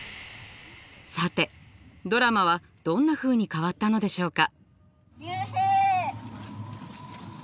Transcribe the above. さてドラマはどんなふうに変わったのでしょうか？